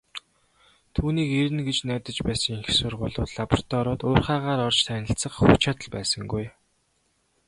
Түүнийг ирнэ гэж найдаж байсан их сургуулиуд, лабораториуд, уурхайгаар орж танилцах хүч чадал байсангүй.